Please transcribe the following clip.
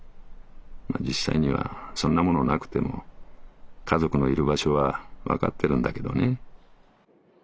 実際にはそんなものなくても家族のいる場所はわかってるんだけどね。